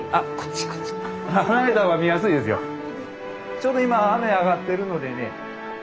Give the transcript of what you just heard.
ちょうど今雨上がってるのでね。